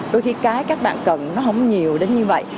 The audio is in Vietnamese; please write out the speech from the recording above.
đôi khi cái các bạn cần nó không nhiều đến như vậy